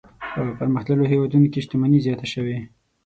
په پرمختللو هېوادونو کې شتمني زیاته شوې.